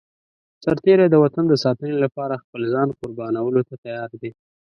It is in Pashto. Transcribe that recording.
سرتېری د وطن د ساتنې لپاره خپل ځان قربانولو ته تيار دی.